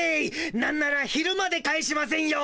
なんなら夜まで帰しませんよ。